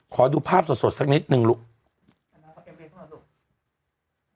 ขอดูภาพสดสดสักนิดนึงลูก